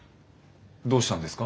どうしたんですか？